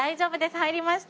入りました。